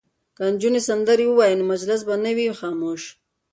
که نجونې سندرې ووايي نو مجلس به نه وي خاموش.